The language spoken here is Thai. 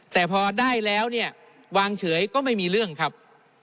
แต่พอได้แล้วเนี่ยวางเฉยก็ไม่มีเรื่องครับ